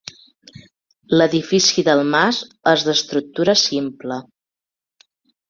L'edifici del mas és d'estructura simple.